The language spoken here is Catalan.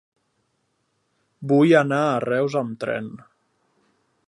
Vull anar a Reus amb tren.